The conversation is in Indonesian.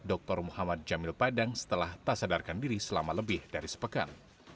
dr muhammad jamil padang setelah tak sadarkan diri selama lebih dari sepekan